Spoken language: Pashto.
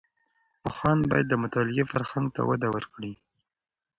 پوهاند باید د مطالعې فرهنګ ته وده ورکړي.